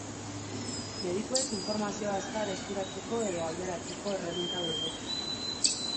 Medikuek informazioa azkar eskuratzeko edo alderatzeko erreminta dute.